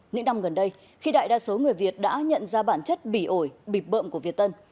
những năm gần đây khi đại đa số người việt đã nhận ra bản chất bị ổi bịp bợm của việt tân